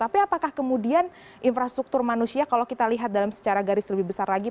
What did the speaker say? tapi apakah kemudian infrastruktur manusia kalau kita lihat dalam secara garis lebih besar lagi